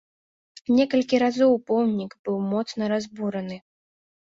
Некалькі разоў помнік быў моцна разбураны.